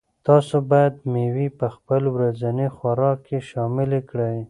تاسو باید مېوې په خپل ورځني خوراک کې شاملې کړئ.